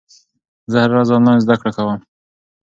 زه هره ورځ انلاین زده کړه کوم.